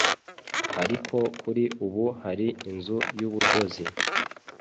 ariko kuri ubu hari inzu y’ubudozi